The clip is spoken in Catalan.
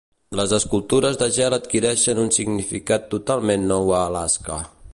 Les escultures de gel adquireixen un significat totalment nou a Alaska.